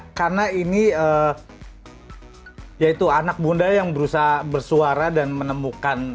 jadi karena ini yaitu anak bunda yang berusaha bersuara dan menemukan diri